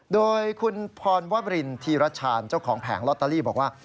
โดยคุณพรวรินธีรชาญเจ้าของแผงลอตเตอรี่บอกว่า